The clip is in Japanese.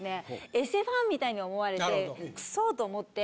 エセファンみたいに思われてクソと思って。